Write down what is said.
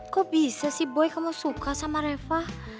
kok bisa sih boy kamu suka sama reva